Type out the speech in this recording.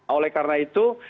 oleh karena itu